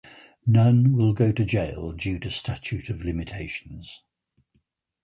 None will go to jail due to statute of limitations.